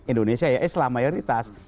indonesia ya islam mayoritas